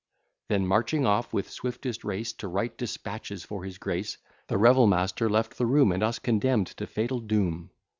Then marching off with swiftest race To write dispatches for his grace, The revel master left the room, And us condemn'd to fatal doom.